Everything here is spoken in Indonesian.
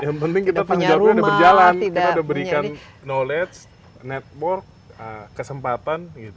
yang penting kita tanggung jawabnya sudah berjalan kita sudah memberikan knowledge network kesempatan